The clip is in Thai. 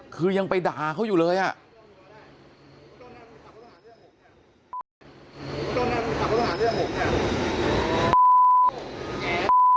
คือยังไปด่าเขาอยู่เลยอ่ะ